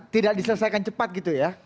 tidak diselesaikan cepat gitu ya